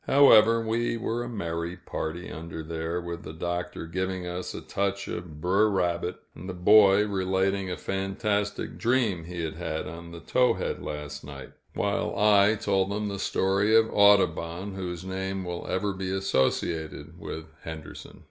However, we were a merry party under there, with the Doctor giving us a touch of "Br'er Rabbit," and the boy relating a fantastic dream he had had on the Towhead last night; while I told them the story of Audubon, whose name will ever be associated with Henderson.